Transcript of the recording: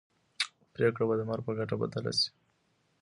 پرېکړه به د مرګ په ګټه بدله شي.